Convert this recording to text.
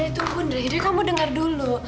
andre tunggu andre kamu dengar dulu